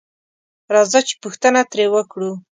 راځه چې پوښتنه تري وکړو